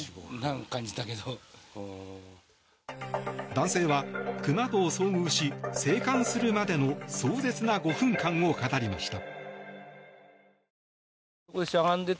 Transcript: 男性はクマと遭遇し生還するまでの凄絶な５分間を語りました。